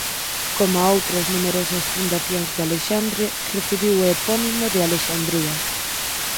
Coma outras numerosas fundacións de Alexandre recibiu o epónimo de Alexandría.